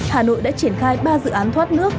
hà nội đã triển khai ba dự án thoát nước